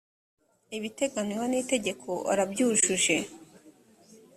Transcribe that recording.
ibiteganywa n ‘itegeko arabyujuje.